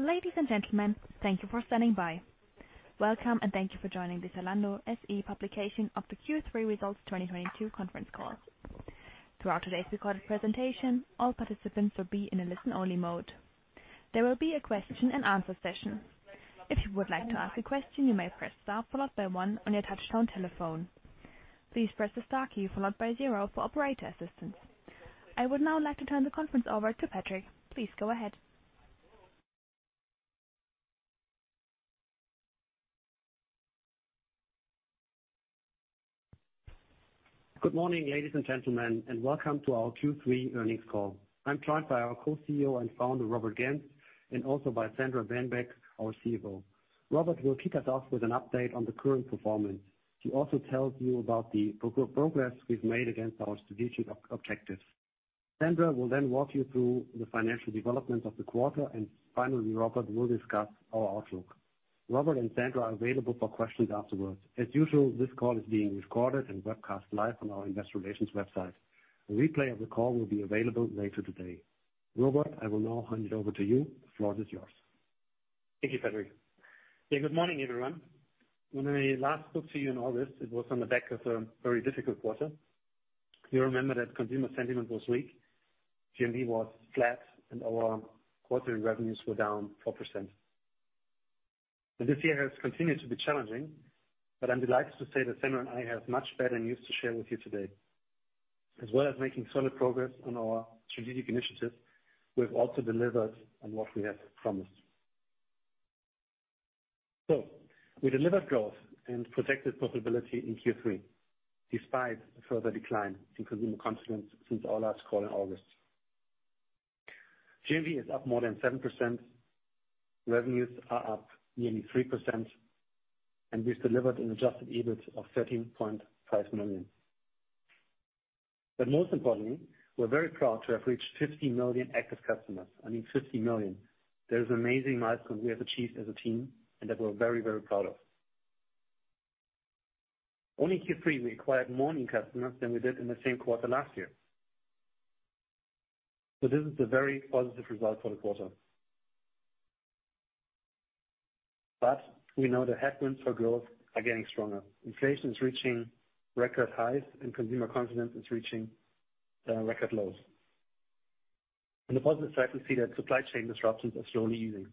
Ladies and gentlemen, thank you for standing by. Welcome, and thank you for joining the Zalando SE publication of the Q3 Results 2022 conference call. Throughout today's recorded presentation, all participants will be in a listen-only mode. There will be a question-and-answer session. If you would like to ask a question, you may press star followed by one on your touch-tone telephone. Please press the star key followed by zero for operator assistance. I would now like to turn the conference over to Patrick. Please go ahead. Good morning, ladies and gentlemen, and welcome to our Q3 earnings call. I'm joined by our Co-CEO and Founder, Robert Gentz, and also by Sandra Dembeck, our CFO. Robert will kick us off with an update on the current performance. He'll also tell you about the progress we've made against our strategic objectives. Sandra will then walk you through the financial development of the quarter, and finally, Robert will discuss our outlook. Robert and Sandra are available for questions afterwards. As usual, this call is being recorded and webcast live on our investor relations website. A replay of the call will be available later today. Robert, I will now hand it over to you. The floor is yours. Thank you, Patrick. Yeah, good morning, everyone. When I last spoke to you in August, it was on the back of a very difficult quarter. You remember that consumer sentiment was weak, GMV was flat, and our quarterly revenues were down 4%. This year has continued to be challenging, but I'm delighted to say that Sandra and I have much better news to share with you today. As well as making solid progress on our strategic initiatives, we have also delivered on what we have promised. We delivered growth and protected profitability in Q3, despite a further decline in consumer confidence since our last call in August. GMV is up more than 7%, revenues are up nearly 3%, and we've delivered an adjusted EBIT of 13.5 million. Most importantly, we're very proud to have reached 50 million active customers. I mean, 50 million. That is an amazing milestone we have achieved as a team and that we're very, very proud of. Only Q3, we acquired more new customers than we did in the same quarter last year. This is a very positive result for the quarter. We know the headwinds for growth are getting stronger. Inflation is reaching record highs, and consumer confidence is reaching record lows. On a positive side, we see that supply chain disruptions are slowly easing.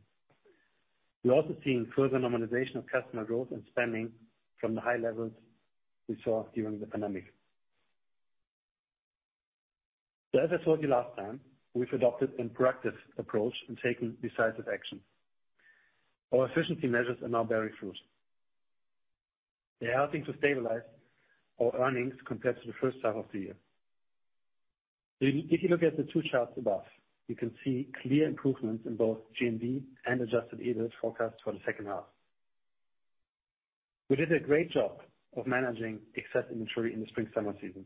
We're also seeing further normalization of customer growth and spending from the high levels we saw during the pandemic. As I told you last time, we've adopted a proactive approach and taken decisive action. Our efficiency measures are now bearing fruit. They're helping to stabilize our earnings compared to the first half of the year. If you look at the two charts above, you can see clear improvements in both GMV and adjusted EBIT forecast for the second half. We did a great job of managing excess inventory in the spring/summer season.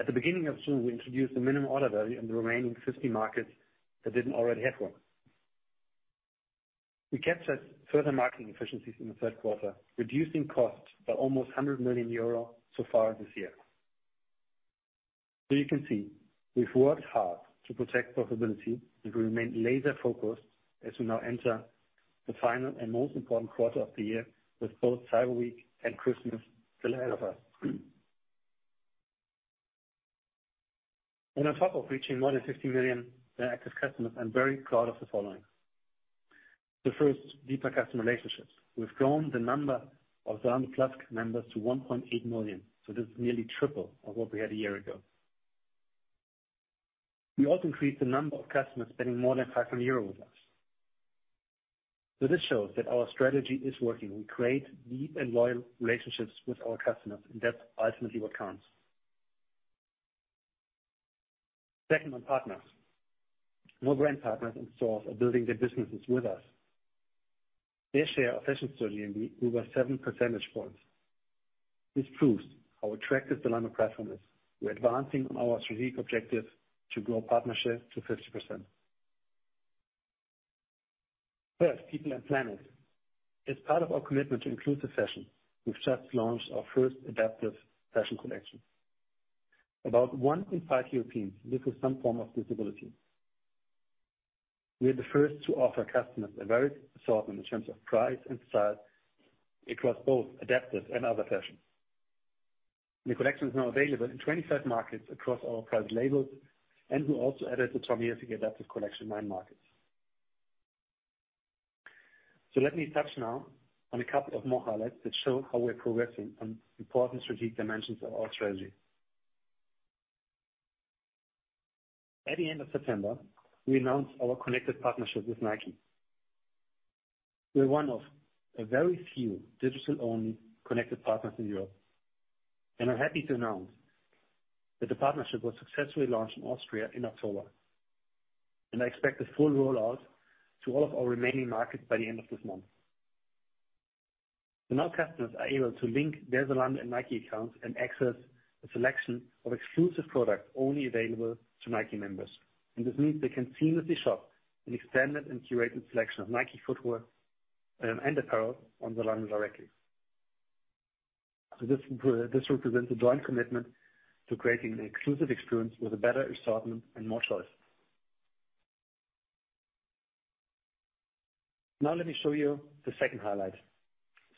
At the beginning of June, we introduced a minimum order value in the remaining 50 markets that didn't already have one. We captured further marketing efficiencies in the third quarter, reducing costs by almost 100 million euro so far this year. You can see, we've worked hard to protect profitability, and we remain laser-focused as we now enter the final and most important quarter of the year with both Cyber Week and Christmas still ahead of us. On top of reaching more than 50 million active customers, I'm very proud of the following. The first, deeper customer relationships. We've grown the number of Zalando Plus members to 1.8 million, so this is nearly triple of what we had a year ago. We also increased the number of customers spending more than 500 euros with us. This shows that our strategy is working. We create deep and loyal relationships with our customers, and that's ultimately what counts. Second, on partners. More brand partners and stores are building their businesses with us. They share our sustainable strategy and grew over 7 percentage points. This proves how attractive the Zalando platform is. We're advancing on our strategic objective to grow partnerships to 50%. Third, people and planet. As part of our commitment to inclusive fashion, we've just launched our first adaptive fashion collection. About one in five Europeans live with some form of disability. We are the first to offer customers a varied assortment in terms of price and size across both adaptive and other fashion. The collection is now available in 25 markets across our private labels, and we also added the Tommy Hilfiger adaptive collection line markets. Let me touch now on a couple of more highlights that show how we're progressing on important strategic dimensions of our strategy. At the end of September, we announced our connected partnership with Nike. We're one of a very few digital-only connected partners in Europe. I'm happy to announce that the partnership was successfully launched in Austria in October, and I expect a full rollout to all of our remaining markets by the end of this month. Now customers are able to link their Zalando and Nike accounts and access a selection of exclusive products only available to Nike members. This means they can seamlessly shop an expanded and curated selection of Nike footwear and apparel on Zalando directly. This represents a joint commitment to creating an exclusive experience with a better assortment and more choice. Now let me show you the second highlight.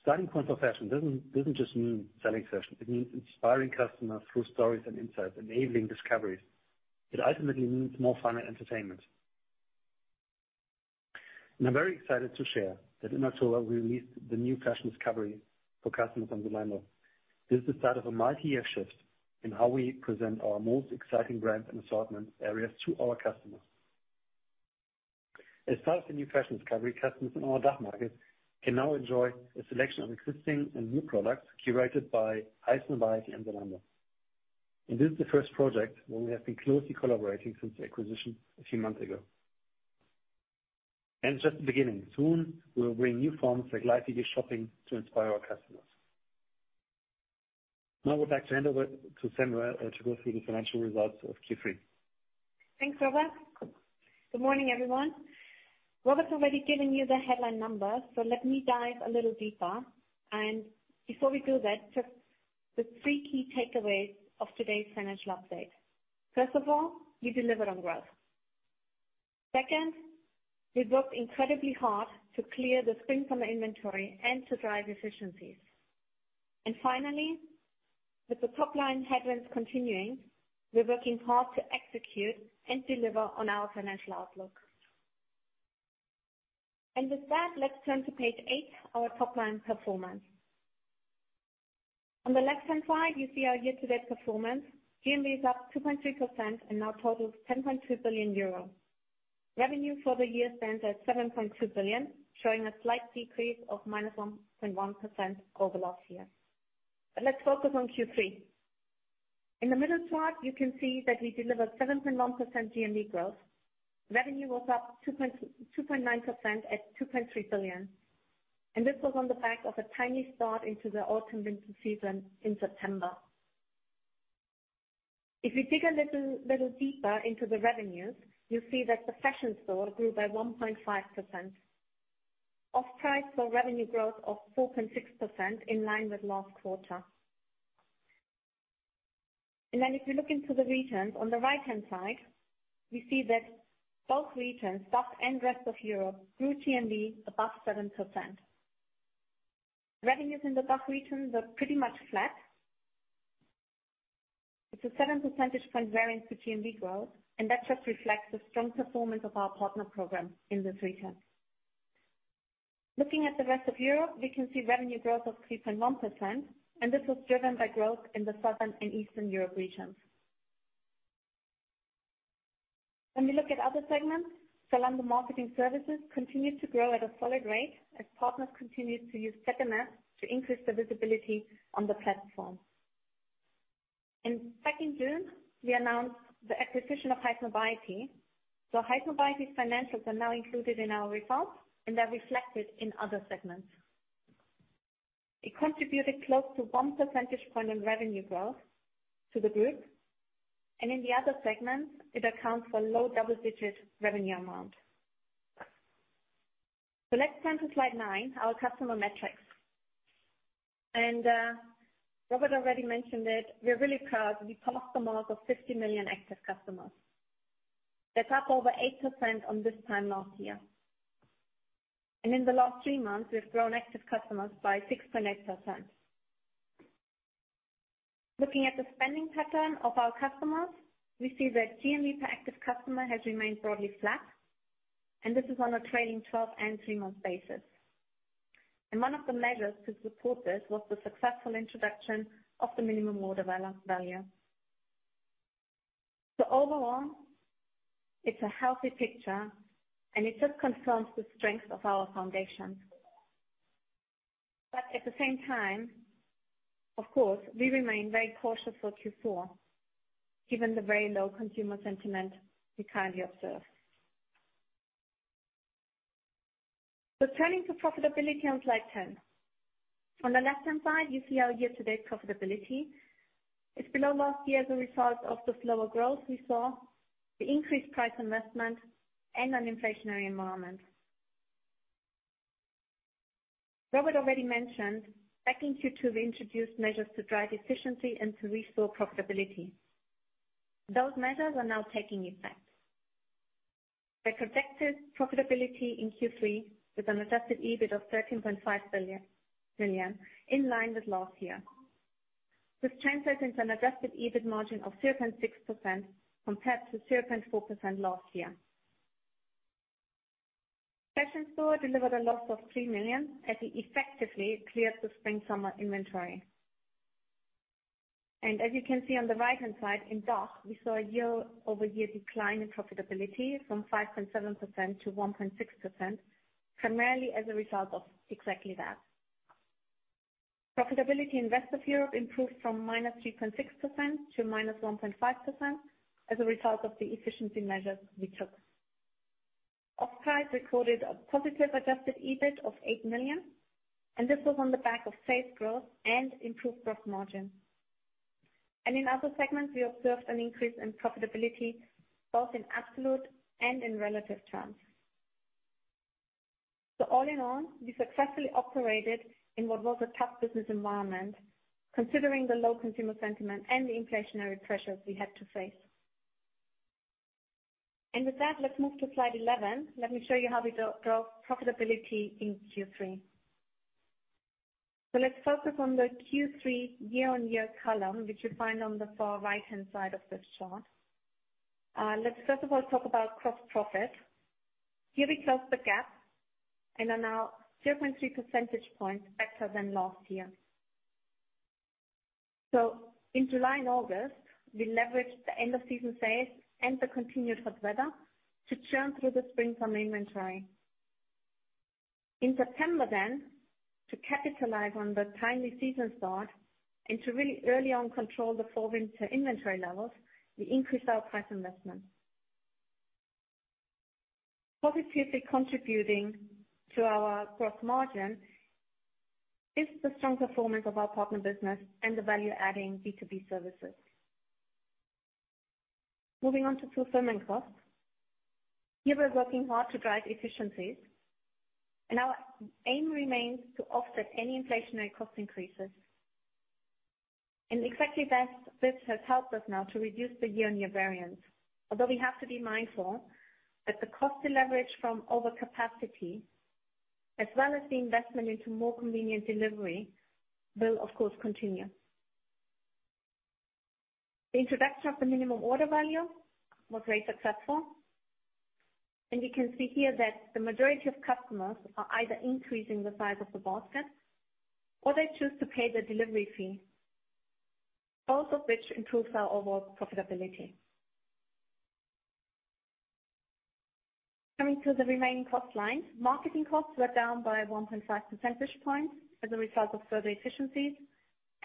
Starting point of fashion doesn't just mean selling fashion, it means inspiring customers through stories and insights, enabling discoveries. It ultimately means more fun and entertainment. I'm very excited to share that in October, we released the new fashion discovery for customers on Zalando. This is part of a multi-year shift in how we present our most exciting brands and assortment areas to our customers. As part of the new fashion discovery, customers in our DACH markets can now enjoy a selection of existing and new products curated by Highsnobiety and Zalando. This is the first project where we have been closely collaborating since the acquisition a few months ago. It's just the beginning. Soon, we'll bring new forms, like live TV shopping, to inspire our customers. Now we're back to hand over to Sandra to go through the financial results of Q3. Thanks, Robert. Good morning, everyone. Robert's already given you the headline numbers, so let me dive a little deeper. Before we do that, just the three key takeaways of today's financial update. First of all, we delivered on growth. Second, we worked incredibly hard to clear the spring/summer inventory and to drive efficiencies. Finally, with the top line headwinds continuing, we're working hard to execute and deliver on our financial outlook. With that, let's turn to page eight, our top line performance. On the left-hand side, you see our year-to-date performance. GMV is up 2.3% and now totals 10.2 billion euro. Revenue for the year stands at 7.2 billion, showing a slight decrease of -1.1% over last year. Let's focus on Q3. In the middle chart, you can see that we delivered 7.1% GMV growth. Revenue was up 2.9% at 2.3 billion. This was on the back of a tiny start into the autumn/winter season in September. If we dig a little deeper into the revenues, you'll see that the Fashion Store grew by 1.5%. Offprice saw revenue growth of 4.6% in line with last quarter. If you look into the regions on the right-hand side, we see that both regions, DACH and Rest of Europe, grew GMV above 7%. Revenues in the DACH region were pretty much flat. It's a 7 percentage point variance to GMV growth, and that just reflects the strong performance of our partner program in this region. Looking at the Rest of Europe, we can see revenue growth of 3.1%, and this was driven by growth in the Southern and Eastern Europe regions. When we look at other segments, Zalando Marketing Services continued to grow at a solid rate as partners continued to use ZMS to increase their visibility on the platform. In second June, we announced the acquisition of Highsnobiety. Highsnobiety's financials are now included in our results, and they're reflected in other segments. It contributed close to 1 percentage point in revenue growth to the group, and in the other segments, it accounts for low double-digit revenue amount. Let's turn to slide nine, our customer metrics. Robert already mentioned it. We are really proud we crossed the mark of 50 million active customers. That's up over 8% on this time last year. In the last three months, we've grown active customers by 6.8%. Looking at the spending pattern of our customers, we see that GMV per active customer has remained broadly flat, and this is on a trailing 12 and three month basis. One of the measures to support this was the successful introduction of the minimum order value. Overall, it's a healthy picture, and it just confirms the strength of our foundation. At the same time, of course, we remain very cautious for Q4, given the very low consumer sentiment we currently observe. Turning to profitability on slide 10. On the left-hand side, you see our year-to-date profitability. It's below last year as a result of the slower growth we saw, the increased price investment, and an inflationary environment. Robert already mentioned, back in Q2, we introduced measures to drive efficiency and to restore profitability. Those measures are now taking effect. We protected profitability in Q3 with an adjusted EBIT of 13.5 billion in line with last year. This translates into an adjusted EBIT margin of 0.6% compared to 0.4% last year. Fashion Store delivered a loss of 3 million as we effectively cleared the spring/summer inventory. As you can see on the right-hand side, in DACH, we saw a year-over-year decline in profitability from 5.7%-1.6%, primarily as a result of exactly that. Profitability in Rest of Europe improved from -3.6% to -1.5% as a result of the efficiency measures we took. Offprice recorded a positive adjusted EBIT of 8 million, and this was on the back of sales growth and improved gross margin. In other segments, we observed an increase in profitability, both in absolute and in relative terms. All in all, we successfully operated in what was a tough business environment, considering the low consumer sentiment and the inflationary pressures we had to face. With that, let's move to slide 11. Let me show you how we drove profitability in Q3. Let's focus on the Q3 year-on-year column, which you'll find on the far right-hand side of this chart. Let's first of all talk about gross profit. Here we closed the gap and are now 0.3 percentage points better than last year. In July and August, we leveraged the end of season sales and the continued hot weather to churn through the spring/summer inventory. In September, to capitalize on the timely season start and to really early on control the fall/winter inventory levels, we increased our price investment. Positively contributing to our growth margin is the strong performance of our partner business and the value-adding B2B services. Moving on to fulfillment costs. Here, we're working hard to drive efficiencies, and our aim remains to offset any inflationary cost increases. Exactly that, this has helped us now to reduce the year-on-year variance. Although we have to be mindful that the cost to leverage from overcapacity as well as the investment into more convenient delivery will of course continue. The introduction of the minimum order value was very successful, and we can see here that the majority of customers are either increasing the size of the basket or they choose to pay the delivery fee, both of which improves our overall profitability. Coming to the remaining cost lines, marketing costs were down by 1.5 percentage points as a result of further efficiencies,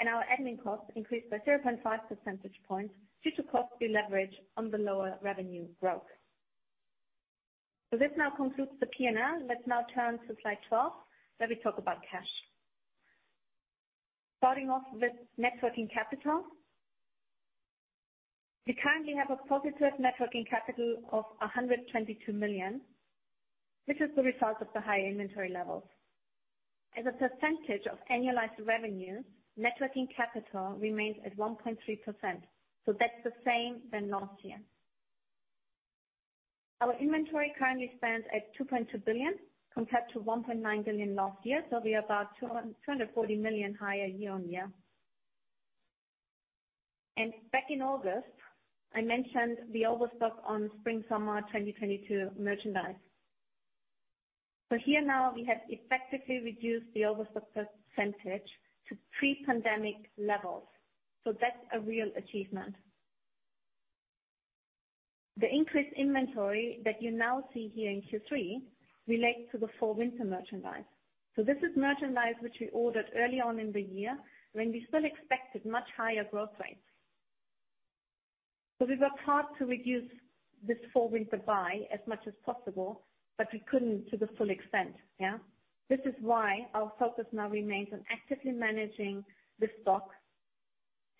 and our admin costs increased by 0.5 percentage points due to cost we leveraged on the lower revenue growth. This now concludes the P&L. Let's now turn to slide 12, where we talk about cash. Starting off with net working capital. We currently have a positive net working capital of 122 million, which is the result of the high inventory levels. As a percentage of annualized revenue, net working capital remains at 1.3%, that's the same as last year. Our inventory currently stands at 2.2 billion compared to 1.9 billion last year, so we are about 240 million higher year-on-year. Back in August, I mentioned the overstock on spring/summer 2022 merchandise. Here now we have effectively reduced the overstock percentage to pre-pandemic levels. That's a real achievement. The increased inventory that you now see here in Q3 relate to the fall/winter merchandise. This is merchandise which we ordered early on in the year when we still expected much higher growth rates. We worked hard to reduce this fall/winter buy as much as possible, but we couldn't to the full extent, yeah? This is why our focus now remains on actively managing the stock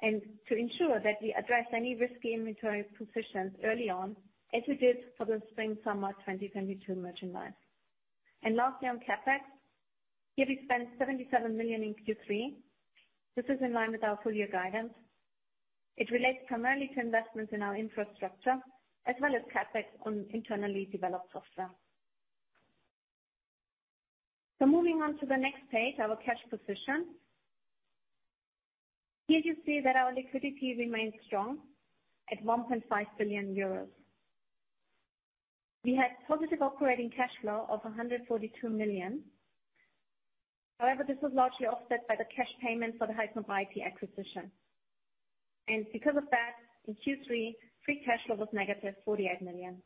and to ensure that we address any risky inventory positions early on, as we did for the spring/summer 2022 merchandise. Lastly, on CapEx, here we spent 77 million in Q3. This is in line with our full year guidance. It relates primarily to investments in our infrastructure as well as CapEx on internally developed software. Moving on to the next page, our cash position. Here you see that our liquidity remains strong at 1.5 billion euros. We had positive operating cash flow of 142 million. However, this was largely offset by the cash payment for the Highsnobiety acquisition. Because of that, in Q3, free cash flow was -48 million.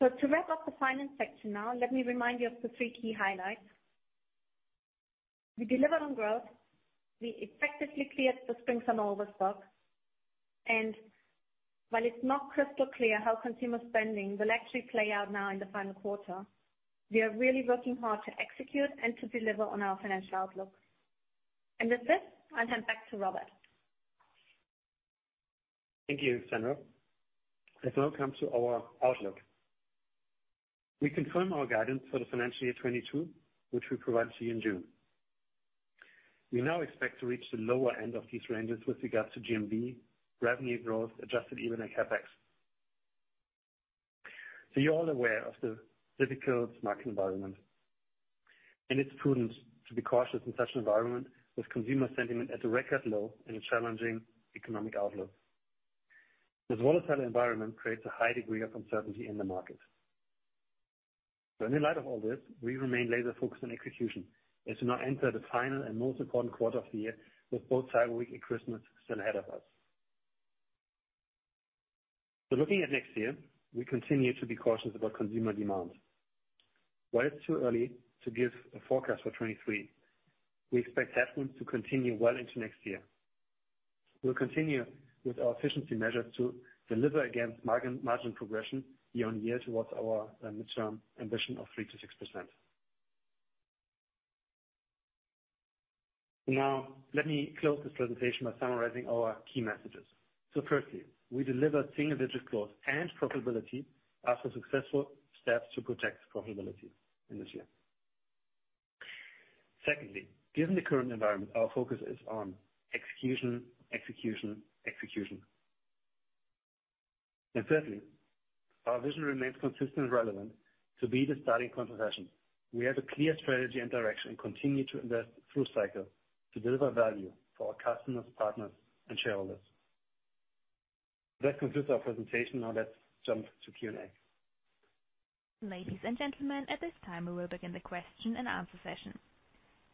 To wrap up the finance section now, let me remind you of the three key highlights. We delivered on growth, we effectively cleared the spring/summer overstock, and while it's not crystal clear how consumer spending will actually play out now in the final quarter, we are really working hard to execute and to deliver on our financial outlook. With this, I'll hand back to Robert. Thank you, Sandra. Let's now come to our outlook. We confirm our guidance for the financial year 2022, which we provided to you in June. We now expect to reach the lower end of these ranges with regards to GMV, revenue growth, adjusted EBIT and CapEx. You're all aware of the difficult market environment, and it's prudent to be cautious in such an environment with consumer sentiment at a record low and a challenging economic outlook. This volatile environment creates a high degree of uncertainty in the market. In light of all this, we remain laser focused on execution as we now enter the final and most important quarter of the year with both Cyber Week and Christmas still ahead of us. Looking at next year, we continue to be cautious about consumer demand. While it's too early to give a forecast for 2023, we expect headwind to continue well into next year. We'll continue with our efficiency measures to deliver against margin progression year on year towards our midterm ambition of 3%-6%. Now, let me close this presentation by summarizing our key messages. Firstly, we delivered single-digit growth and profitability after successful steps to protect profitability in this year. Secondly, given the current environment, our focus is on execution. Thirdly, our vision remains consistent and relevant to be the styling destination. We have a clear strategy and direction, continue to invest through cycle to deliver value for our customers, partners, and shareholders. That concludes our presentation. Now let's jump to Q&A. Ladies and gentlemen, at this time, we will begin the question and answer session.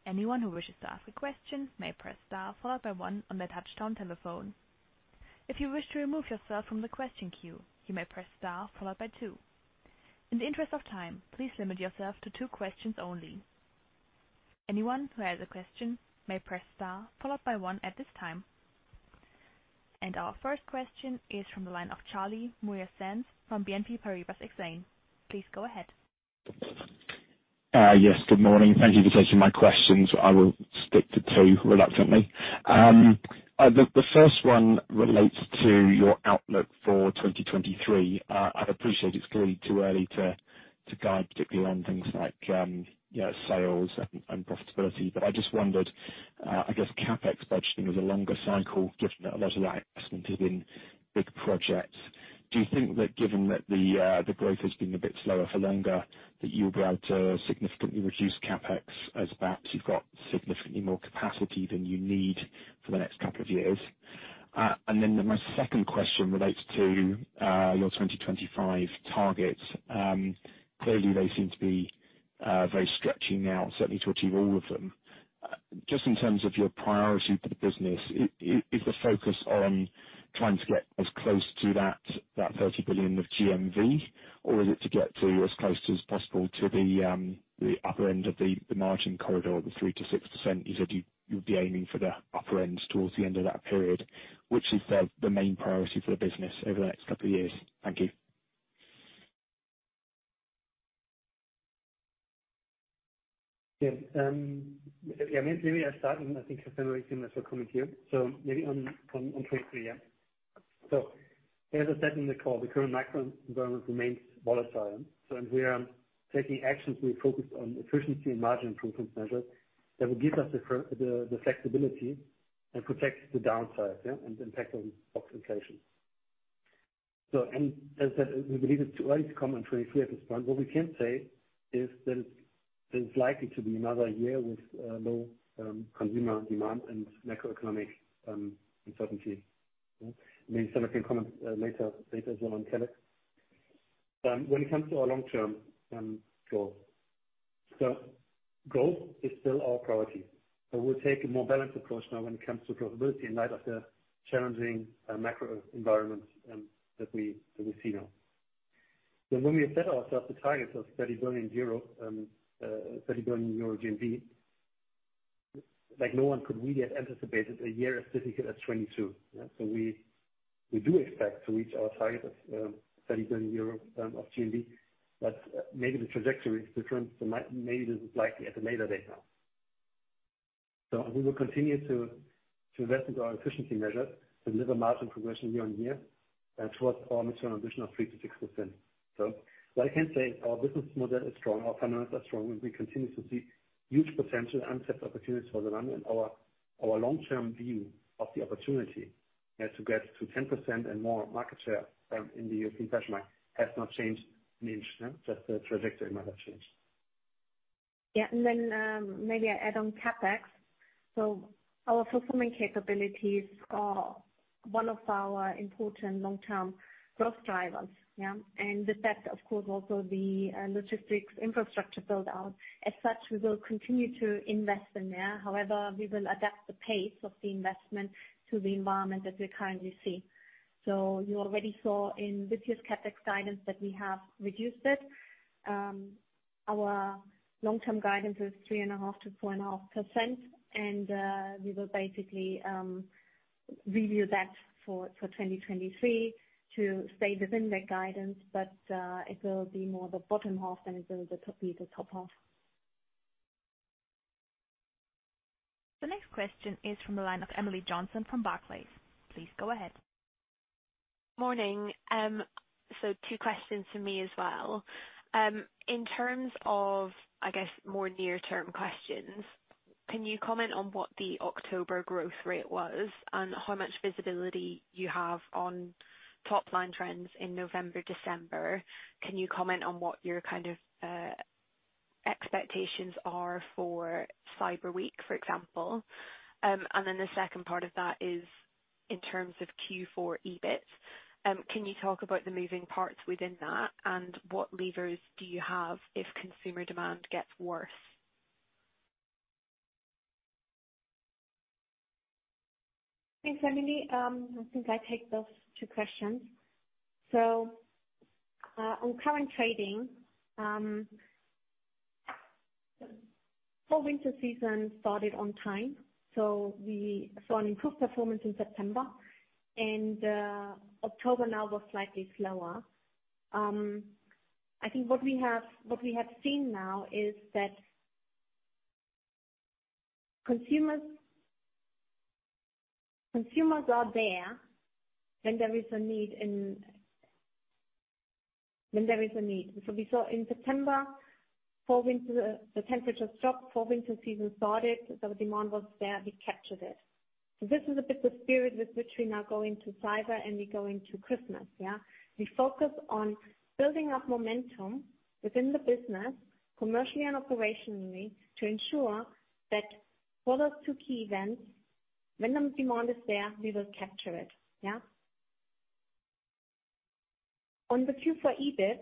Anyone who wishes to ask a question may press star followed by one on their touchtone telephone. If you wish to remove yourself from the question queue, you may press star followed by two. In the interest of time, please limit yourself to two questions only. Anyone who has a question may press star followed by one at this time. Our first question is from the line of Charlie Muir-Sands from BNP Paribas Exane. Please go ahead. Yes, good morning. Thank you for taking my questions. I will stick to two reluctantly. The first one relates to your outlook for 2023. I appreciate it's clearly too early to guide particularly on things like, you know, sales and profitability. I just wondered, I guess CapEx budgeting is a longer cycle, given that a lot of that investment is in big projects. Do you think that given that the growth has been a bit slower for longer, that you'll be able to significantly reduce CapEx as perhaps you've got significantly more capacity than you need for the next couple of years? My second question relates to your 2025 targets. Clearly they seem to be very stretchy now, certainly to achieve all of them. Just in terms of your priority for the business, is the focus on trying to get as close to that 30 billion of GMV? Or is it to get as close as possible to the upper end of the margin corridor of the 3%-6%? You said you'd be aiming for the upper end towards the end of that period. Which is the main priority for the business over the next couple of years? Thank you. Yes. Maybe I start, and I think Sandra seems to comment here. As I said in the call, the current macro environment remains volatile, and we are taking actions. We focused on efficiency and margin improvement measures that will give us the flexibility and protect the downside, and impact on cost inflation. As said, we believe it's too early to comment 2023 at this point. What we can say is that it's likely to be another year with low consumer demand and macroeconomic uncertainty. Maybe Sandra can comment later as well on CapEx. When it comes to our long-term goal, growth is still our priority. We'll take a more balanced approach now when it comes to profitability in light of the challenging macro environment that we see now. When we set ourselves the targets of 30 billion euro GMV, like, no one could really have anticipated a year as difficult as 2022. We do expect to reach our target of 30 billion euro of GMV, but maybe the trajectory is different. Maybe this is likely at a later date now. We will continue to invest into our efficiency measures to deliver margin progression year-on-year and towards our midterm ambition of 3%-6%. What I can say, our business model is strong, our fundamentals are strong, and we continue to see huge potential and significant opportunities for the long run. Our long term view of the opportunity is to get to 10% and more market share in the European fashion market has not changed an inch. Just the trajectory might have changed. Yeah. Maybe I add on CapEx. Our fulfillment capabilities are one of our important long-term growth drivers, yeah. With that, of course, also the logistics infrastructure build out. As such, we will continue to invest in there. However, we will adapt the pace of the investment to the environment that we currently see. You already saw in this year's CapEx guidance that we have reduced it. Our long-term guidance is 3.5%-4.5%. We will basically review that for 2023 to stay within that guidance. It will be more the bottom half than it will be the top half. The next question is from the line of Emily Johnson from Barclays. Please go ahead. Morning. Two questions from me as well. In terms of, I guess, more near-term questions, can you comment on what the October growth rate was and how much visibility you have on top line trends in November, December? Can you comment on what your kind of expectations are for Cyber Week, for example? The second part of that is in terms of Q4 EBIT, can you talk about the moving parts within that, and what levers do you have if consumer demand gets worse? Thanks, Emily. I think I take those two questions. On current trading, winter season started on time. We saw an improved performance in September. October now was slightly slower. I think what we have seen now is that consumers are there when there is a need. We saw in September, the temperature dropped, fall into season started, so demand was there, we captured it. This is a bit the spirit with which we now go into cyber and we go into Christmas, yeah. We focus on building up momentum within the business commercially and operationally to ensure that for those two key events, when the demand is there, we will capture it. Yeah. On the Q4 EBIT,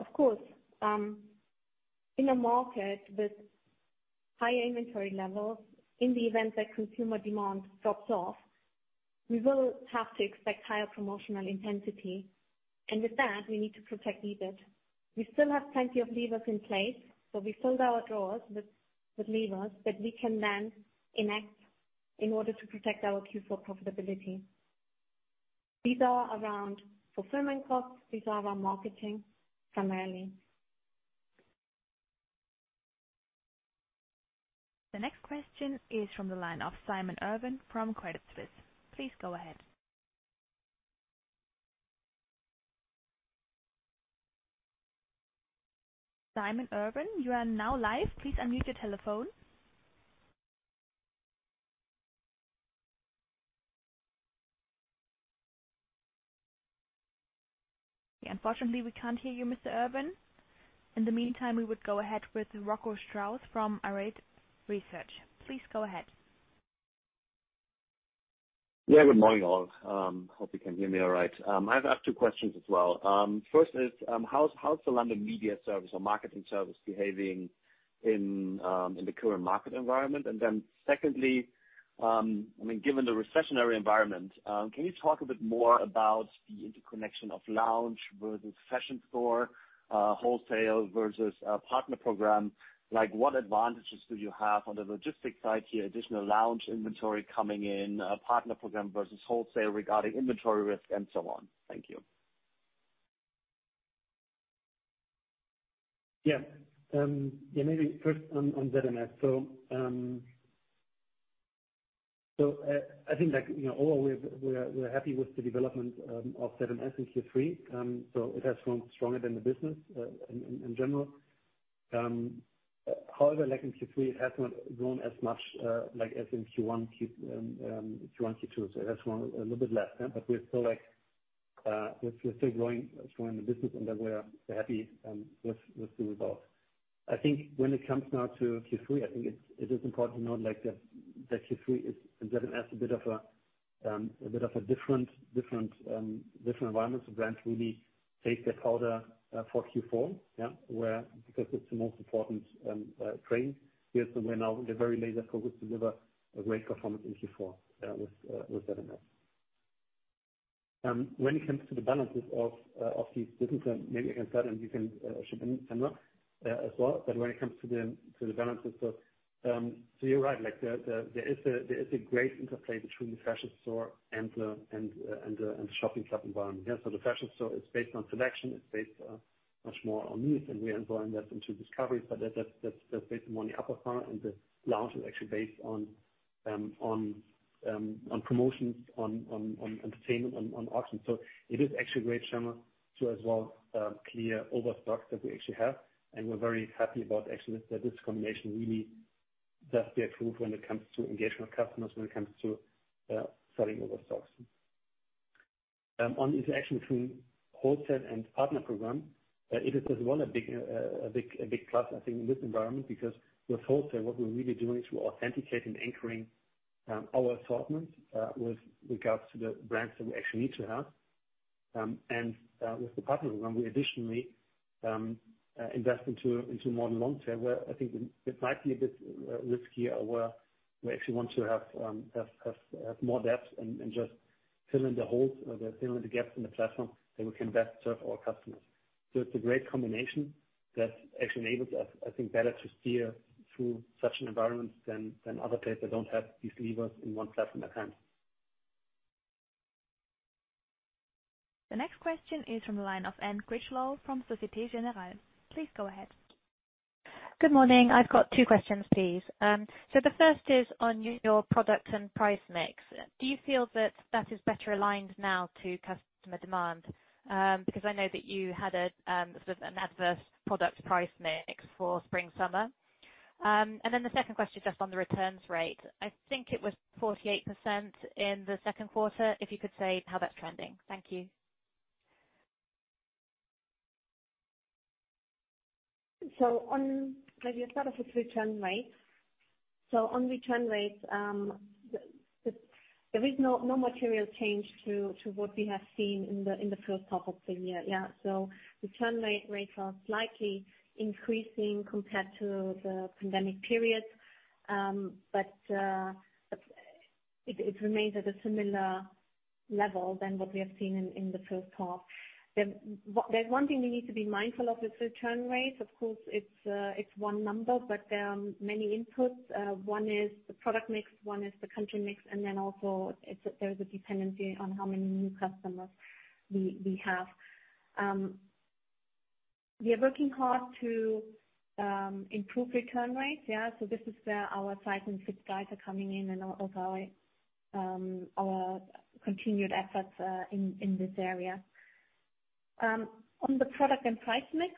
of course, in a market with higher inventory levels, in the event that consumer demand drops off, we will have to expect higher promotional intensity. With that, we need to protect EBIT. We still have plenty of levers in place. We filled our drawers with levers that we can then enact in order to protect our Q4 profitability. These are around fulfillment costs, these are around marketing primarily. The next question is from the line of Simon Irwin from Credit Suisse. Please go ahead. Simon Irwin, you are now live. Please unmute your telephone. Yeah, unfortunately we can't hear you, Mr. Irwin. In the meantime, we would go ahead with Rocco Strauss from Arete Research. Please go ahead. Yeah, good morning all. Hope you can hear me all right. I have to ask two questions as well. First is, how's the Zalando Marketing Services or marketing service behaving in the current market environment? Secondly, I mean, given the recessionary environment, can you talk a bit more about the interconnection of Lounge versus Fashion Store, wholesale versus a partner program? Like what advantages do you have on the logistics side here, additional Lounge inventory coming in, partner program versus wholesale regarding inventory risk and so on? Thank you. Yeah, maybe first on Offprice. I think like, you know, overall we're happy with the development of Offprice in Q3. It has grown stronger than the business in general. However, like in Q3, it has not grown as much like as in Q1, Q2. It has grown a little bit less, yeah, but we're still like, we're still growing the business and we are happy with the results. I think when it comes now to Q3, I think it is important to note like that Q3 is a bit of a different environment. Brands really take their powder for Q4, where because it's the most important frame. Here's the way now they're very laser focused deliver a great performance in Q4 with. When it comes to the balances of these businesses, maybe I can start and you can chip in, Sandra, as well. When it comes to the balances, so you're right, like, there is a great interplay between the Fashion Store and the shopping club environment. The Fashion Store is based on selection. It's based much more on news, and we are growing that into discovery. But that's based more on the upper funnel. The lounge is actually based on promotions, on entertainment, on auction. It is actually a great channel to as well clear overstock that we actually have. We're very happy about actually that this combination really does get approved when it comes to engagement with customers, when it comes to selling overstocks. On interaction between wholesale and partner program, it is as well a big plus I think in this environment, because with wholesale, what we're really doing is we're authenticating, anchoring our assortment with regards to the brands that we actually need to have. With the partner program, we additionally invest into more long term, where I think it might be a bit riskier where we actually want to have more depth and just fill in the holes or fill in the gaps in the platform that we can best serve our customers. It's a great combination that actually enables us, I think, better to steer through such an environment than other players that don't have these levers in one platform at hand. The next question is from the line of Anne Critchlow from Société Générale. Please go ahead. Good morning. I've got two questions, please. The first is on your product and price mix. Do you feel that is better aligned now to customer demand? Because I know that you had a sort of an adverse product price mix for spring/summer. Then the second question is just on the returns rate. I think it was 48% in the second quarter, if you could say how that's trending. Thank you. Maybe I'll start off with return rates. On return rates, there is no material change to what we have seen in the first half of the year. Return rates are slightly increasing compared to the pandemic period. But it remains at a similar level than what we have seen in the first half. There's one thing we need to be mindful of with return rates. Of course, it's one number, but there are many inputs. One is the product mix, one is the country mix, and then also there's a dependency on how many new customers we have. We are working hard to improve return rates, yeah. This is where our size and fit guides are coming in and also our continued efforts in this area. On the product and price mix.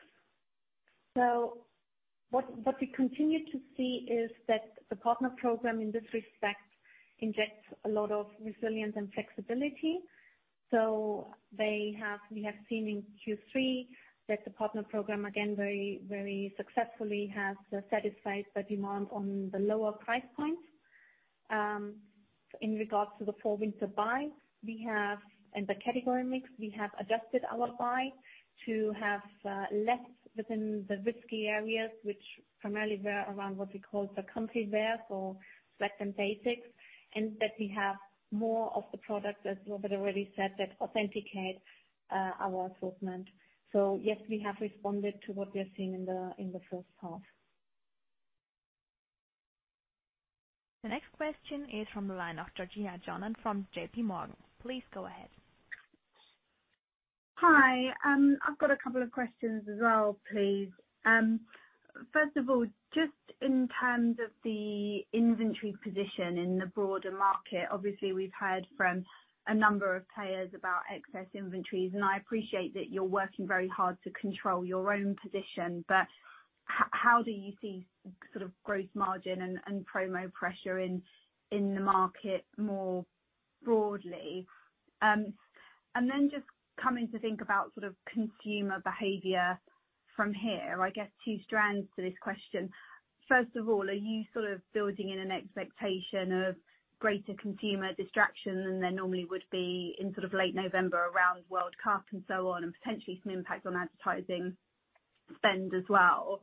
What we continue to see is that the partner program in this respect injects a lot of resilience and flexibility. We have seen in Q3 that the partner program again very, very successfully has satisfied the demand on the lower price points. In regards to the fall winter buy and the category mix, we have adjusted our buy to have less within the risky areas which primarily were around what we call the country wear, so select and basics. That we have more of the product, as Robert already said, that authenticate our assortment. Yes, we have responded to what we are seeing in the first half. The next question is from the line of Georgina Johanan and from JPMorgan. Please go ahead. Hi. I've got a couple of questions as well, please. First of all, just in terms of the inventory position in the broader market, obviously we've heard from a number of players about excess inventories, and I appreciate that you're working very hard to control your own position. How do you see sort of gross margin and promo pressure in the market more broadly? Then just coming to think about sort of consumer behavior from here, I guess two strands to this question. First of all, are you sort of building in an expectation of greater consumer distraction than there normally would be in sort of late November around World Cup and so on, and potentially some impact on advertising spend as well?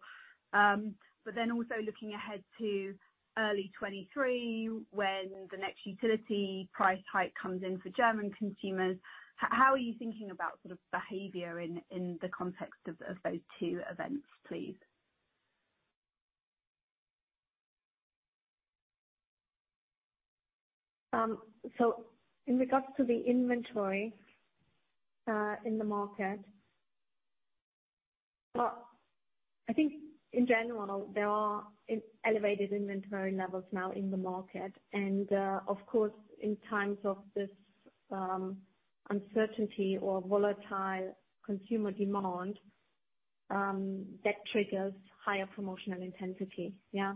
Also looking ahead to early 2023, when the next utility price hike comes in for German consumers, how are you thinking about sort of behavior in the context of those two events, please? In regards to the inventory in the market. I think in general, there are elevated inventory levels now in the market. Of course, in times of this uncertainty or volatile consumer demand, that triggers higher promotional intensity, yeah.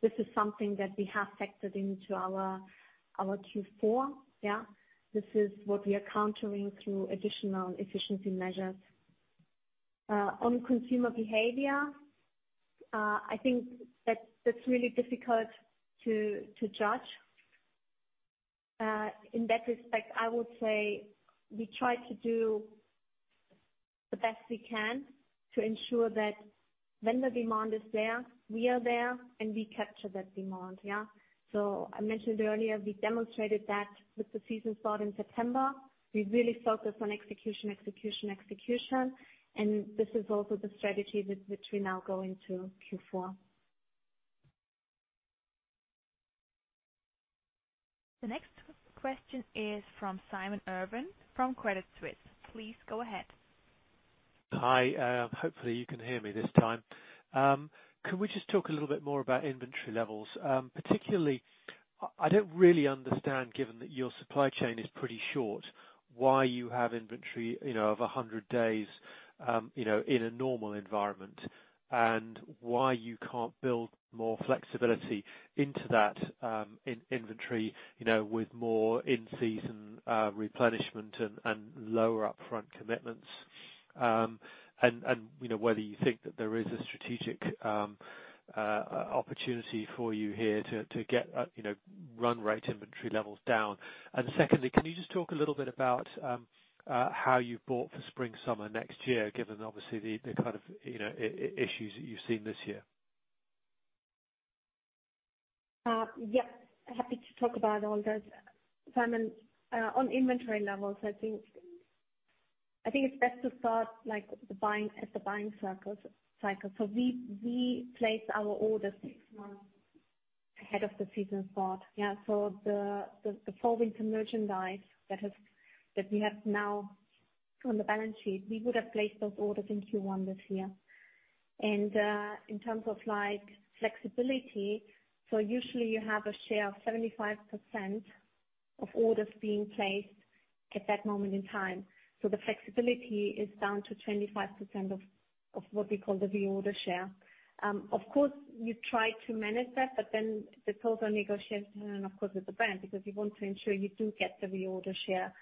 This is something that we have factored into our Q4, yeah. This is what we are countering through additional efficiency measures. On consumer behavior, I think that's really difficult to judge. In that respect, I would say we try to do the best we can to ensure that when the demand is there, we are there, and we capture that demand, yeah. I mentioned earlier, we demonstrated that with the season start in September. We really focus on execution, and this is also the strategy with which we now go into Q4. The next question is from Simon Irwin, from Credit Suisse. Please go ahead. Hi. Hopefully you can hear me this time. Can we just talk a little bit more about inventory levels? Particularly, I don't really understand, given that your supply chain is pretty short, why you have inventory, you know, of 100 days, you know, in a normal environment, and why you can't build more flexibility into that inventory, you know, with more in-season replenishment and lower upfront commitments, and whether you think that there is a strategic opportunity for you here to get, you know, run rate inventory levels down. Secondly, can you just talk a little bit about how you've bought for spring/summer next year, given obviously the kind of, you know, issues that you've seen this year? Yep. Happy to talk about all those, Simon. On inventory levels, I think it's best to start like the buying at the buying cycle. We place our orders six months ahead of the season start. The fall winter merchandise that we have now on the balance sheet, we would have placed those orders in Q1 this year. In terms of like flexibility, usually you have a share of 75% of orders being placed at that moment in time. The flexibility is down to 25% of what we call the reorder share. Of course, you try to manage that, but that's also negotiated of course with the brand, because you want to ensure you do get the reorder share,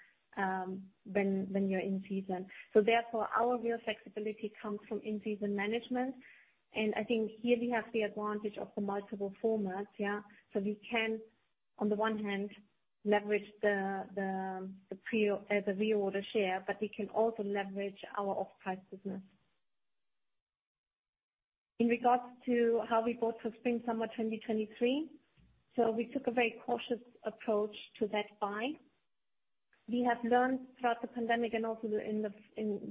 when you're in season. Therefore, our real flexibility comes from in-season management. I think here we have the advantage of the multiple formats, yeah. We can on the one hand leverage the reorder share, but we can also leverage our off-price business. In regards to how we bought for spring/summer 2023, we took a very cautious approach to that buy. We have learned throughout the pandemic and also in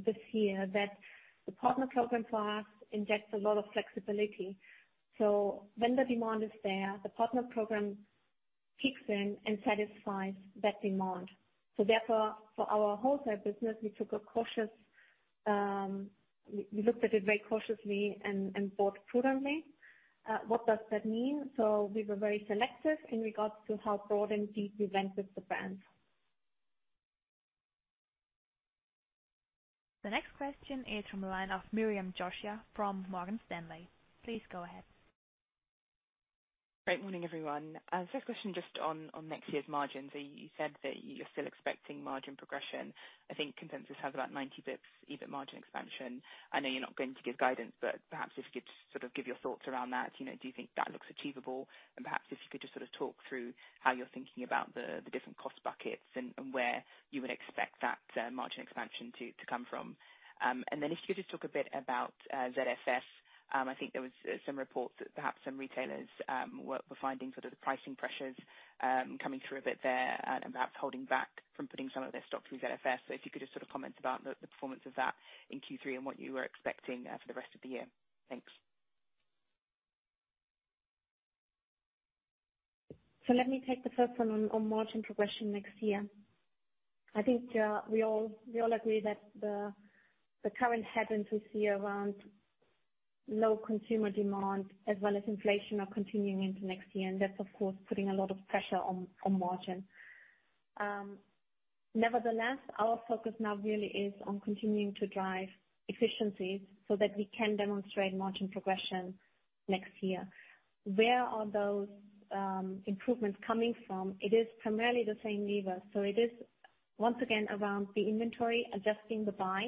this year that the partner program for us injects a lot of flexibility. When the demand is there, the partner program kicks in and satisfies that demand. Therefore, for our wholesale business, we took a cautious, we looked at it very cautiously and bought prudently. What does that mean? We were very selective in regards to how broad and deep we went with the brands. The next question is from a line of Miriam Josiah from Morgan Stanley. Please go ahead. Great morning, everyone. First question just on next year's margins. You said that you're still expecting margin progression. I think consensus has about 90 basis points EBIT margin expansion. I know you're not going to give guidance, but perhaps if you could sort of give your thoughts around that. You know, do you think that looks achievable? Perhaps if you could just sort of talk through how you're thinking about the different cost buckets and where you would expect that margin expansion to come from. Then if you could just talk a bit about ZFS. I think there was some reports that perhaps some retailers were finding sort of the pricing pressures coming through a bit there, and perhaps holding back from putting some of their stock through ZFS. If you could just sort of comment about the performance of that in Q3 and what you were expecting for the rest of the year. Thanks. Let me take the first one on margin progression next year. I think we all agree that the current headwinds we see around low consumer demand as well as inflation are continuing into next year, and that's of course putting a lot of pressure on margin. Nevertheless, our focus now really is on continuing to drive efficiencies so that we can demonstrate margin progression next year. Where are those improvements coming from? It is primarily the same lever. It is once again around the inventory, adjusting the buy.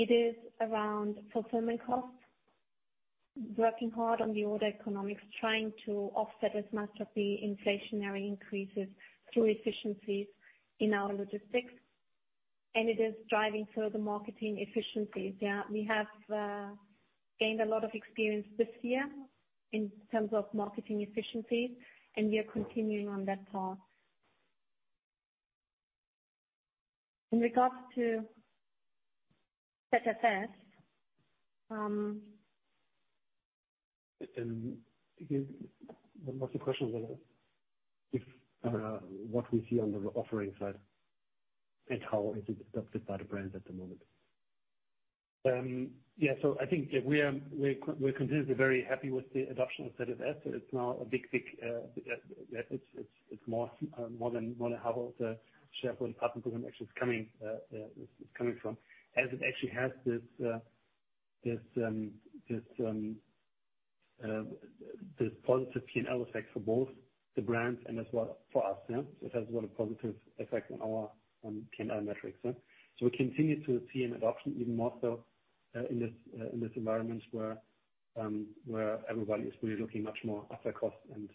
It is around fulfillment costs, working hard on the order economics, trying to offset as much of the inflationary increases through efficiencies in our logistics. It is driving further marketing efficiencies. Yeah, we have gained a lot of experience this year in terms of marketing efficiencies, and we are continuing on that path. In regards to ZFS. What was the question? If what we see on the offering side and how is it adopted by the brands at the moment. I think we're continuously very happy with the adoption of ZFS. It's now a big it's more than half of our partner program actually is coming from. As it actually has this positive P&L effect for both the brands and as well for us, yeah. It has a lot of positive effect on our P&L metrics, yeah. We continue to see an adoption even more so in this environment where everybody is really looking much more at their costs and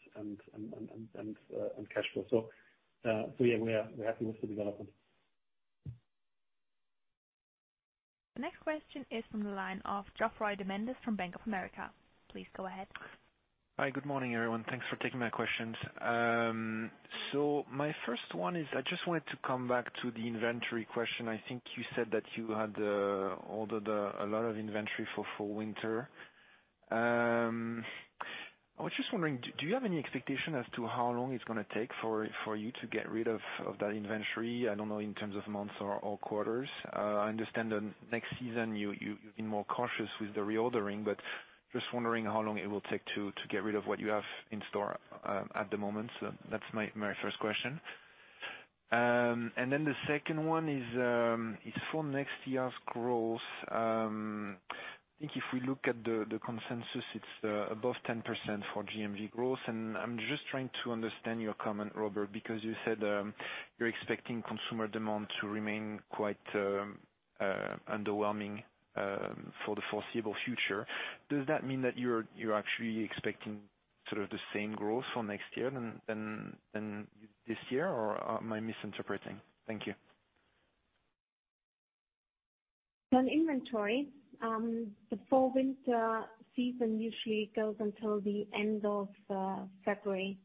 cash flow. Yeah, we're happy with the development. The next question is from the line of Geoffroy De Mendez from Bank of America. Please go ahead. Hi, good morning, everyone. Thanks for taking my questions. My first one is, I just wanted to come back to the inventory question. I think you said that you had ordered a lot of inventory for fall/winter. I was just wondering, do you have any expectation as to how long it's gonna take for you to get rid of that inventory? I don't know, in terms of months or quarters. I understand that next season you've been more cautious with the reordering, but just wondering how long it will take to get rid of what you have in store at the moment. That's my first question. The second one is for next year's growth. I think if we look at the consensus, it's above 10% for GMV growth. I'm just trying to understand your comment, Robert, because you said you're expecting consumer demand to remain quite underwhelming for the foreseeable future. Does that mean that you're actually expecting sort of the same growth for next year than this year, or am I misinterpreting? Thank you. On inventory, the fall/winter season usually goes until the end of February.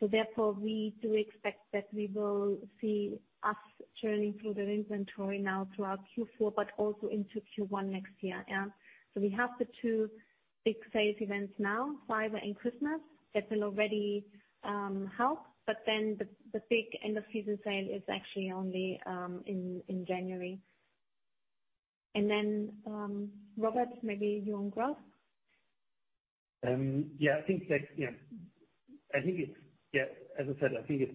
Therefore, we do expect that we will see us churning through the inventory now throughout Q4, but also into Q1 next year, yeah. We have the two big sales events now, Cyber and Christmas. That will already help. The big end of season sale is actually only in January. Robert, maybe you on growth? Yeah, as I said, I think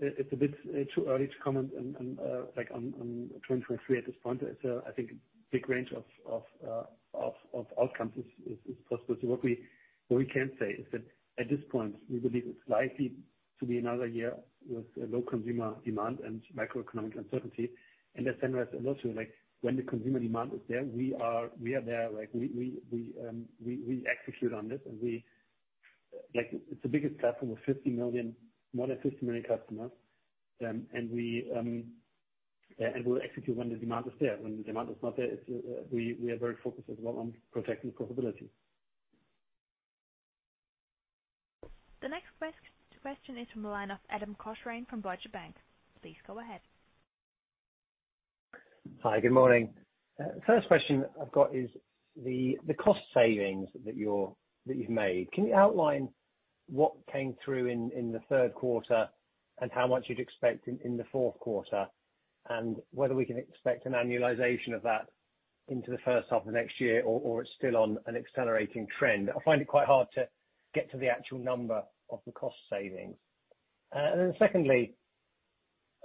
it's a bit too early to comment on, like, on 2023 at this point. I think a big range of outcomes is possible. What we can say is that at this point, we believe it's likely to be another year with low consumer demand and macroeconomic uncertainty. At Zalando, also, like, when the consumer demand is there, we are there. Like, we execute on this, and we, like, it's the biggest platform with 50 million, more than 50 million customers. And we'll execute when the demand is there. When the demand is not there, it's we are very focused as well on protecting profitability. The next question is from the line of Adam Cochrane from Deutsche Bank. Please go ahead. Hi, good morning. First question I've got is the cost savings that you've made. Can you outline what came through in the third quarter and how much you'd expect in the fourth quarter? Whether we can expect an annualization of that into the first half of next year or it's still on an accelerating trend. I find it quite hard to get to the actual number of the cost savings. Secondly,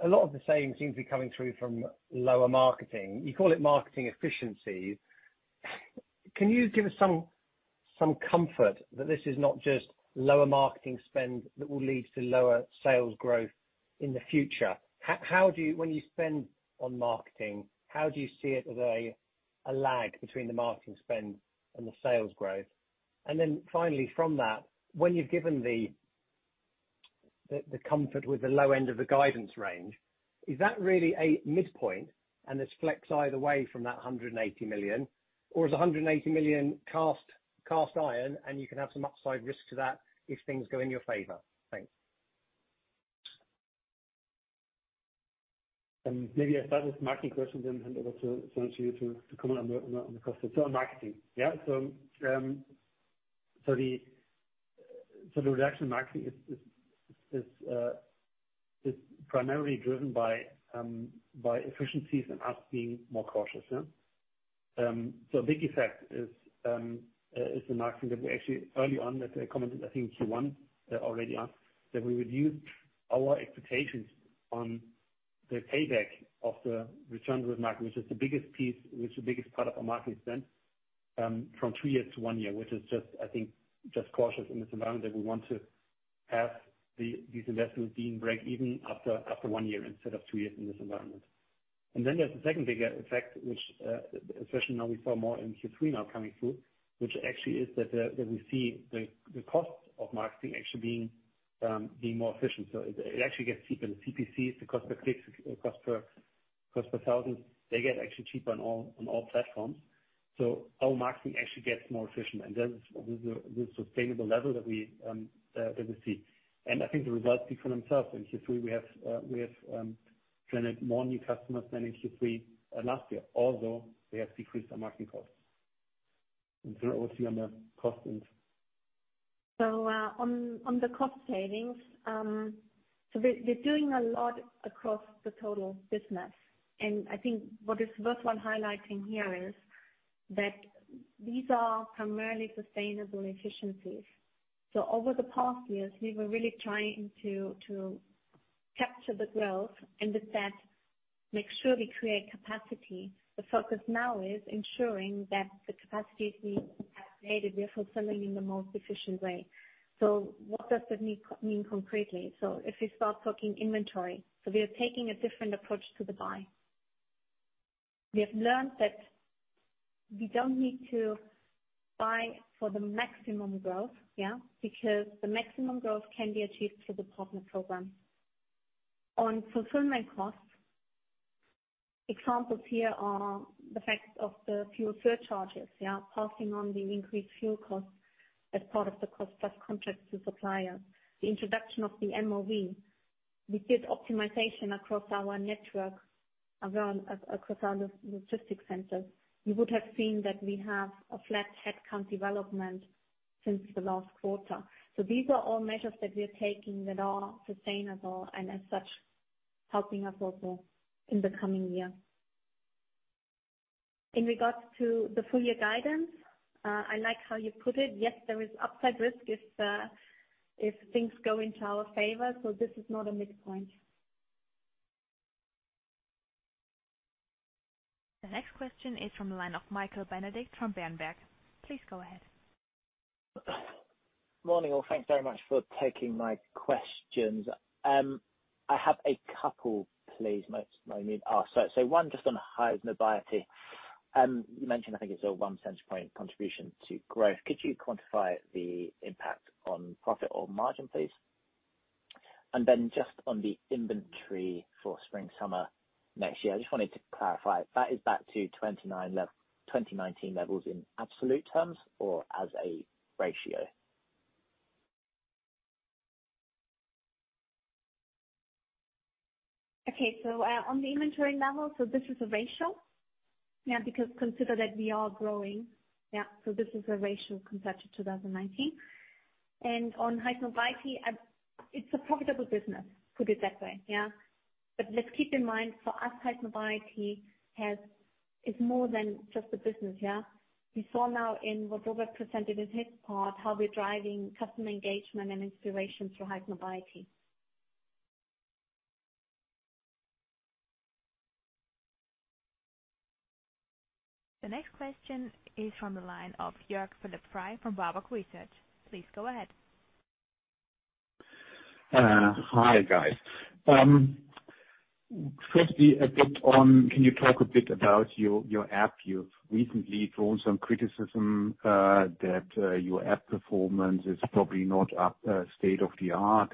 a lot of the savings seem to be coming through from lower marketing. You call it marketing efficiency. Can you give us some comfort that this is not just lower marketing spend that will lead to lower sales growth in the future? When you spend on marketing, how do you see it as a lag between the marketing spend and the sales growth? Finally, from that, when you've given the comfort with the low end of the guidance range, is that really a midpoint and it's flex either way from that 180 million, or is the 180 million cast iron, and you can have some upside risk to that if things go in your favor? Thanks. Maybe I'll start with marketing question then hand over to you to comment on the cost. On marketing. The reduction in marketing is primarily driven by efficiencies and us being more cautious, yeah? A big effect is the marketing that we actually early on that I commented, I think in Q1, already on, that we reduced our expectations on the payback of the return with marketing, which is the biggest piece, which is the biggest part of our marketing spend, from two years to one year, which is just, I think, just cautious in this environment that we want to have these investments being break even after one year instead of two years in this environment. There's the second bigger effect, which especially now we saw more in Q3 coming through, which actually is that we see the cost of marketing actually being more efficient. So it actually gets cheaper. The CPCs, the cost per clicks, cost per thousands, they get actually cheaper on all platforms. So our marketing actually gets more efficient and that is the sustainable level that we see. I think the results speak for themselves. In Q3, we have generated more new customers than in Q3 last year, although we have decreased our marketing costs. Sandra Dembeck on the cost side. On the cost savings, we are doing a lot across the total business. I think what is worthwhile highlighting here is that these are primarily sustainable efficiencies. Over the past years, we were really trying to capture the growth and with that, make sure we create capacity. The focus now is ensuring that the capacities we have created, we are fulfilling in the most efficient way. What does that mean concretely? If we start talking inventory, we are taking a different approach to the buy. We have learned that we don't need to buy for the maximum growth, yeah. Because the maximum growth can be achieved through the partner program. On fulfillment costs, examples here are the fact of the fuel surcharges, yeah, passing on the increased fuel costs as part of the cost plus contract to supplier. The introduction of the MOV. We did optimization across our network, across our logistic centers. You would have seen that we have a flat headcount development since the last quarter. These are all measures that we are taking that are sustainable and as such, helping us also in the coming year. In regards to the full year guidance, I like how you put it. Yes, there is upside risk if things go into our favor. This is not a midpoint. The next question is from the line of Michael Benedict from Berenberg. Please go ahead. Morning, all. Thanks very much for taking my questions. I have a couple, please. My main ask. One just on Heights Mobility. You mentioned I think it's a one percentage point contribution to growth. Could you quantify the impact on profit or margin, please? And then just on the inventory for spring/summer next year, I just wanted to clarify, that is back to 2019 levels in absolute terms or as a ratio? Okay. On the inventory level, this is a ratio, yeah, because consider that we are growing, yeah. This is a ratio compared to 2019. On Highsnobiety, it's a profitable business, put it that way, yeah? Let's keep in mind, for us, Highsnobiety is more than just a business, yeah? We saw now in what Robert presented in his part, how we're driving customer engagement and inspiration through Highsnobiety. The next question is from the line of Jörg Philipp Frey from Warburg Research. Please go ahead. Hi, guys. Firstly, can you talk a bit about your app? You've recently drawn some criticism that your app performance is probably not at state of the art.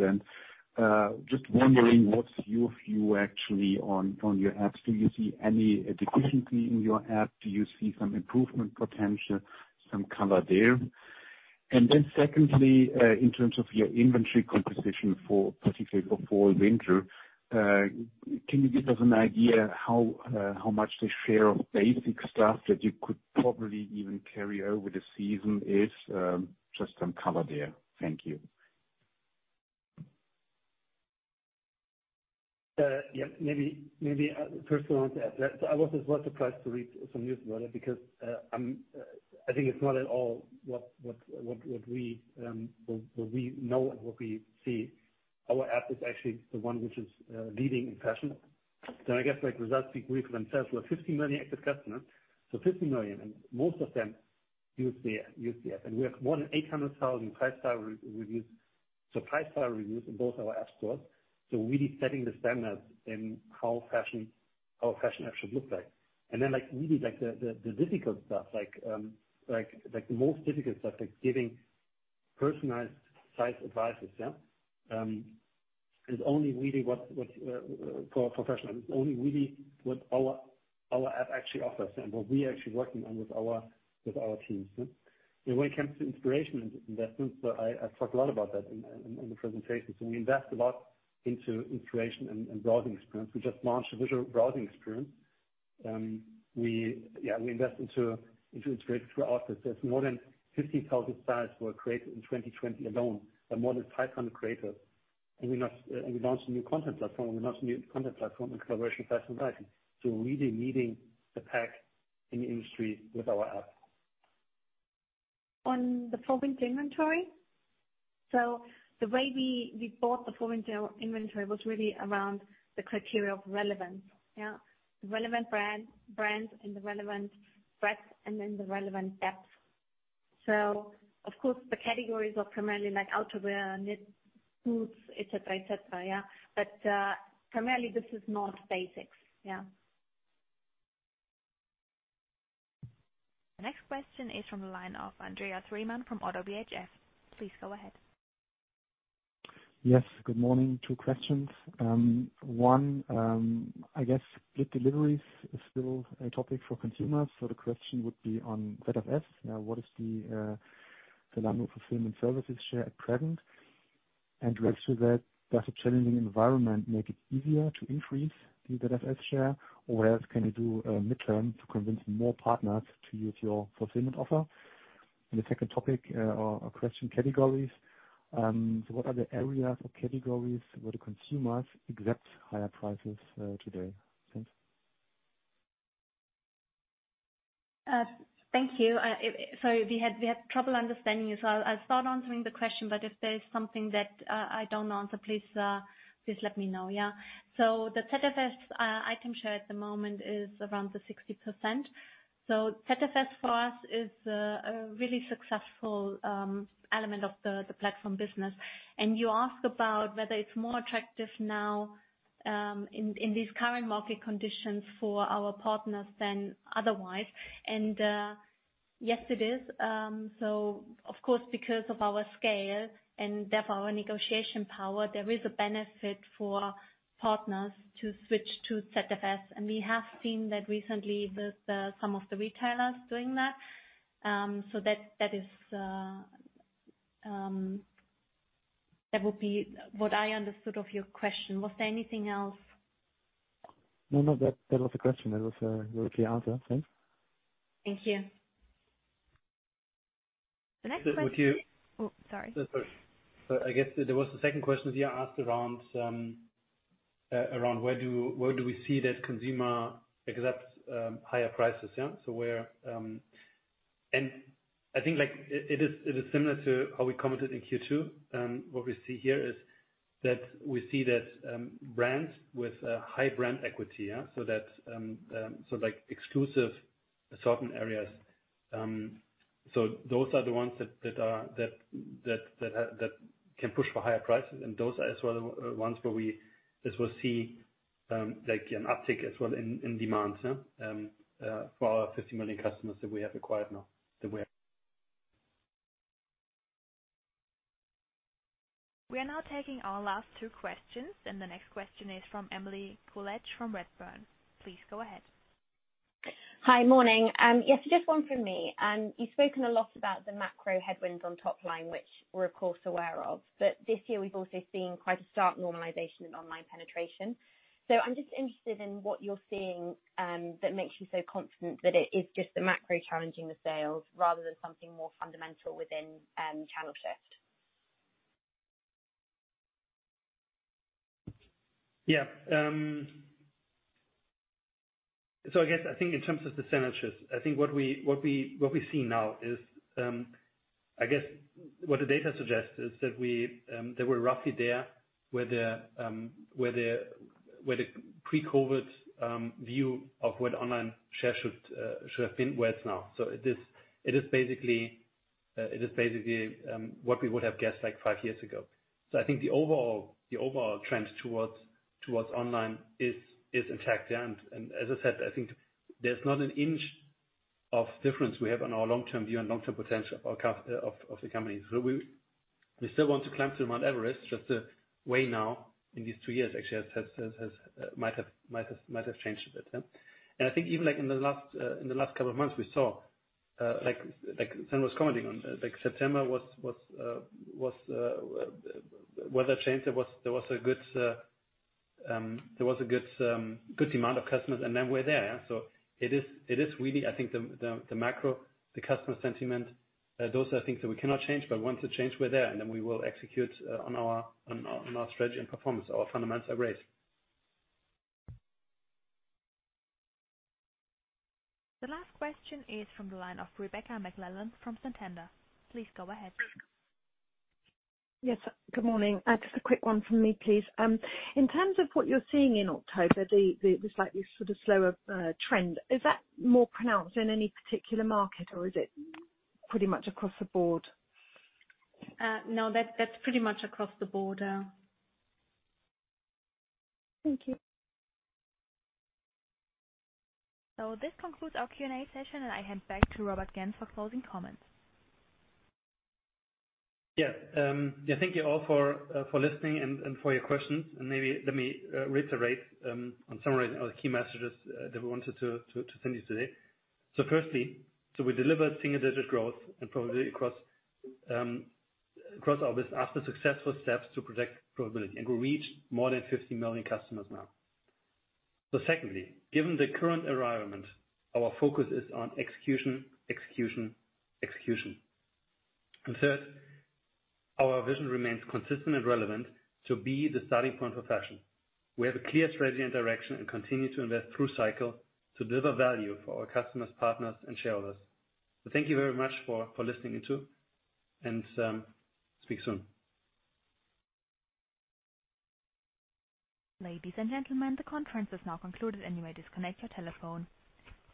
Just wondering what's your view actually on your apps. Do you see any deficiency in your app? Do you see some improvement potential, some cover there? Then secondly, in terms of your inventory composition for winter, can you give us an idea how much the share of basic stuff that you could probably even carry over the season is, just some cover there? Thank you. Yeah, maybe first of all, to add to that. I was surprised to read some news about it because I think it's not at all what we know and what we see. Our app is actually the one which is leading in fashion. I guess, like, results speak for themselves. We have 50 million active customers, 50 million, and most of them use the app. We have more than 800,000 five-star reviews in both our app stores. Really setting the standard in how a fashion app should look like. Then, like, really, like, the difficult stuff, like, the most difficult stuff, like giving personalized size advice, yeah, is only really what for fashion is only really what our app actually offers and what we are actually working on with our teams, yeah. When it comes to inspiration and investments, I talked a lot about that in the presentation. We invest a lot into inspiration and browsing experience. We just launched a visual browsing experience. We invest into inspiration throughout this. There are more than 50,000 styles were created in 2020 alone by more than 500 creators. We launched a new content platform in collaboration with Fashion ID. We're really leading the pack in the industry with our app. On the fall-winter inventory, so the way we bought the fall-winter inventory was really around the criteria of relevance. Yeah. Relevant brand, brands and the relevant breadth and then the relevant depth. Of course, the categories are primarily like outerwear, knit, boots, et cetera, yeah. Primarily this is not basics. Yeah. The next question is from the line of Andreas Riemann from ODDO BHF. Please go ahead. Yes. Good morning. Two questions. One, I guess split deliveries is still a topic for consumers. The question would be on ZFS. Now, what is the Zalando Fulfillment Services share at present? Related to that, does a challenging environment make it easier to increase the ZFS share, or else can you do in the medium term to convince more partners to use your fulfillment offer? The second topic, or question, categories. What are the areas or categories where the consumers accept higher prices today? Thanks. Thank you. Sorry, we had trouble understanding you, so I'll start answering the question, but if there's something that I don't answer, please let me know, yeah? The ZFS item share at the moment is around 60%. ZFS for us is a really successful element of the platform business. You ask about whether it's more attractive now in these current market conditions for our partners than otherwise. Yes, it is. Of course, because of our scale and therefore our negotiation power, there is a benefit for partners to switch to ZFS. We have seen that recently with some of the retailers doing that. That is what I understood of your question. Was there anything else? No, no. That was the question. That was the answer. Thanks. Thank you. The next question is. Would you Oh, sorry. Sorry. I guess there was the second question here asked around where do we see that consumers accept higher prices? Where. I think, like, it is similar to how we commented in Q2. What we see here is that we see that brands with high brand equity, so that's, so, like, exclusivity in certain areas. Those are the ones that can push for higher prices. Those are as well ones where we will see like an uptick as well in demand for our 50 million customers that we have acquired now. We are now taking our last two questions, and the next question is from Emily Cooledge from Redburn. Please go ahead. Hi. Morning. Yes, just one from me. You've spoken a lot about the macro headwinds on top line, which we're of course aware of, but this year we've also seen quite a stark normalization in online penetration. I'm just interested in what you're seeing that makes you so confident that it is just the macro challenging the sales rather than something more fundamental within channel shift. Yeah. I guess, I think in terms of the channel shift, I think what we see now is, I guess what the data suggests is that we're roughly there where the pre-COVID view of where the online share should have been, where it's now. It is basically what we would have guessed like five years ago. I think the overall trend towards online is intact, yeah. As I said, I think there's not an inch of difference we have on our long-term view and long-term potential of the company. We still want to climb to Mount Everest, just the way now in these two years actually has might have changed a bit. I think even like in the last couple of months, we saw, like Sandra was commenting on, like September was weather changed. There was a good amount of customers and then we're there. It is really I think the macro, the customer sentiment, those are things that we cannot change, but once they change, we're there, and then we will execute on our strategy and performance. Our fundamentals are great. The last question is from the line of Rebecca McClellan from Santander. Please go ahead. Yes. Good morning. Just a quick one from me, please. In terms of what you're seeing in October, the slightly sort of slower trend, is that more pronounced in any particular market or is it pretty much across the board? No. That's pretty much across the board. Thank you. This concludes our Q&A session, and I hand back to Robert Gentz for closing comments. Yeah. Yeah, thank you all for listening and for your questions. Maybe let me reiterate on summarizing our key messages that we wanted to send you today. Firstly, we delivered single digit growth and profitability across our business after successful steps to protect profitability, and we reached more than 50 million customers now. Secondly, given the current environment, our focus is on execution. Third, our vision remains consistent and relevant to be the starting point of fashion. We have a clear strategy and direction and continue to invest through cycle to deliver value for our customers, partners and shareholders. Thank you very much for listening in too and speak soon. Ladies and gentlemen, the conference is now concluded. You may disconnect your telephone.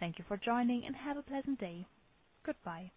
Thank you for joining and have a pleasant day. Goodbye.